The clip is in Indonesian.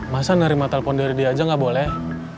masa nerima telepon dari dia aja nggak boleh